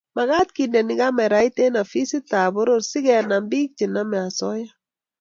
makat kendeni kamerait eng ofisit ap poror sikonam pik chenamei osoya